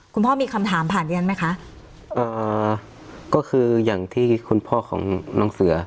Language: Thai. คุณพ่อมีคำถามผ่านดิฉันไหมคะอ่าก็คืออย่างที่คุณพ่อของน้องเสือ